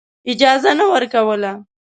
اجازه نه ورکوله.